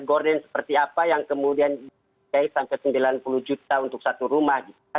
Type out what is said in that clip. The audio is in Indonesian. gorden seperti apa yang kemudian sampai sembilan puluh juta untuk satu rumah